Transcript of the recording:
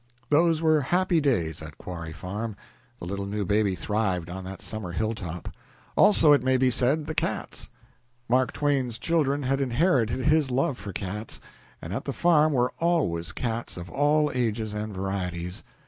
Those were happy days at Quarry Farm. The little new baby thrived on that summer hilltop. Also, it may be said, the cats. Mark Twain's children had inherited his love for cats, and at the farm were always cats of all ages and varieties.